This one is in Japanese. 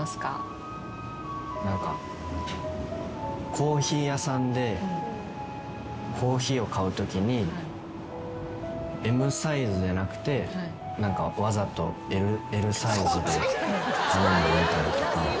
コーヒー屋さんでコーヒーを買うときにＭサイズじゃなくて何かわざとＬサイズで頼んでみたりとか。